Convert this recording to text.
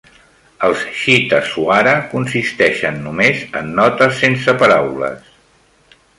Els "chitta swara" consisteixen només en notes sense paraules.